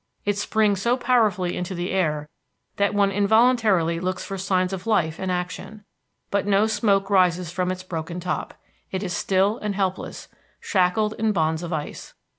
It springs so powerfully into the air that one involuntarily looks for signs of life and action. But no smoke rises from its broken top. It is still and helpless, shackled in bonds of ice.